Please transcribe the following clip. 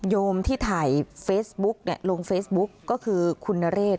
โยมที่ถ่ายลงเฟซบุ๊กก็คือคุณนเรศ